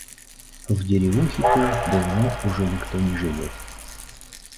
В деревухе той давно уже никто не живёт.